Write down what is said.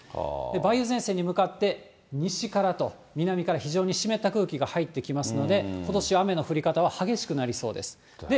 梅雨前線に向かって西からと南から非常に湿った空気が入ってきますので、ことしは雨の降り方は激しくなりそうです。